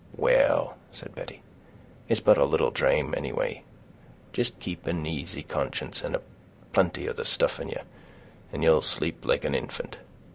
"Well," said Betty, "it's but little I drame, anyway. Jist keep an 'asy conscience and a plenty of the stuff in ye, and ye'll sleep like an infant.